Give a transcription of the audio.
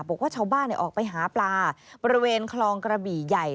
บอกว่าชาวบ้านออกไปหาปลาบริเวณคลองกระบี่ใหญ่